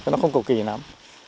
nó không cầu kỳ lắm